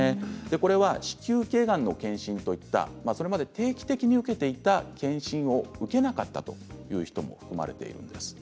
これは子宮けいがんの検診といったそれまで定期的に受けていた検診を受けなかったという人も含まれているんです。